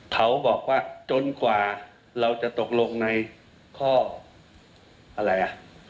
เขาบอกว่าจนกว่าเราจะตกลงในข้ออะไรอ่ะ